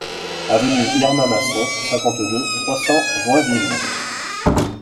Avenue Irma Masson, cinquante-deux, trois cents Joinville